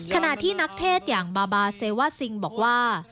ขณะที่นักเทศอย่างบาบาเซว่าซิงบอกว่า